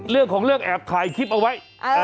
เรื่องของเรื่องแอบถ่ายคลิปเอาไว้